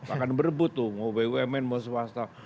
akan berbutuh mau bumn mau swasta